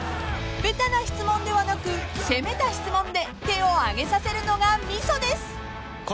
［べたな質問ではなく攻めた質問で手をあげさせるのがミソです］